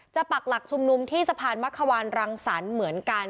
ปักหลักชุมนุมที่สะพานมะควานรังสรรค์เหมือนกัน